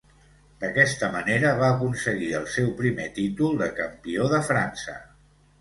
D'aquesta manera va aconseguir el seu primer títol de campió de França.